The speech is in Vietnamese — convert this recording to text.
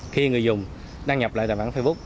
khi người dùng đăng nhập lại tài khoản facebook